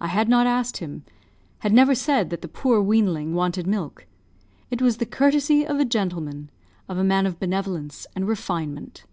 I had not asked him had never said that the poor weanling wanted milk. It was the courtesy of a gentleman of a man of benevolence and refinement.